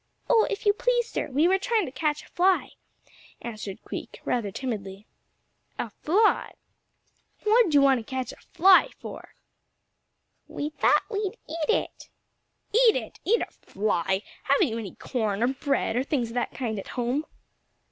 "Oh, if you please, sir, we were trying to catch a fly," answered Queek rather timidly. "A fly! What did you want to catch a fly for?" "We thought we'd eat it." "Eat it! Eat a fly? Haven't you any corn or bread or things of that kind at home?"